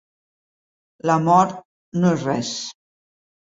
La mort no és res.